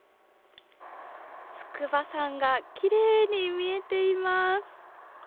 筑波山がきれいに見えています。